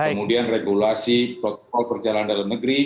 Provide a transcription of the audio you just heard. kemudian regulasi protokol perjalanan dalam negeri